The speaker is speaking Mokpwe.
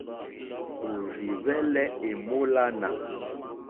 Òrzì hwɛ́lɛ́ èmólánà.